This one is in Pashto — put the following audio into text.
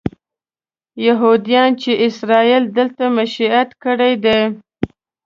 یهودیان چې اسرائیل دلته مېشت کړي دي.